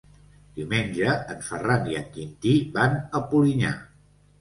Diumenge en Ferran i en Quintí van a Polinyà.